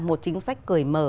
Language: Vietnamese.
một chính sách cởi mở